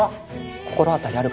・心当たりあるか？